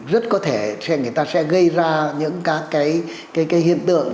rất có thể người ta sẽ gây ra các hiện tượng